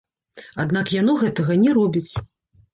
Аднак яно гэтага не робіць.